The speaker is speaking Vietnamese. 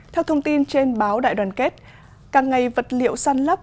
theo thông tin trên báo đại đoàn kết càng ngày vật liệu săn lấp